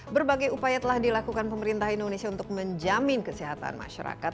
berbagai upaya telah dilakukan pemerintah indonesia untuk menjamin kesehatan masyarakat